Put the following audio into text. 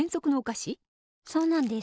そうなんです。